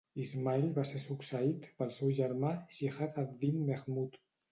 Ismail va ser succeït pel seu germà Shihab ad-Din Mahmud.